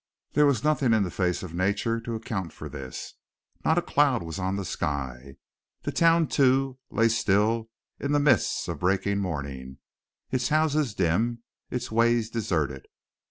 There was nothing in the face of nature to account for this; not a cloud was on the sky. The town, too, lay still in the mists of breaking morning, its houses dim, its ways deserted.